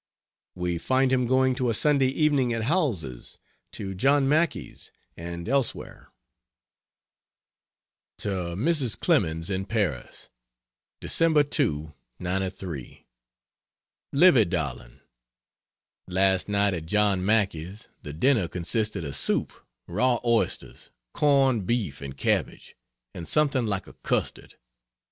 We find him going to a Sunday evening at Howells's, to John Mackay's, and elsewhere. To Mrs. Clemens, in Paris: Dec. 2, '93. LIVY DARLING, Last night at John Mackay's the dinner consisted of soup, raw oysters, corned beef and cabbage, and something like a custard.